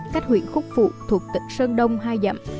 cách huyện khúc phụ thuộc tỉnh sơn đông hai dặm